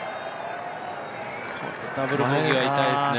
ダブルボギーは痛いですね。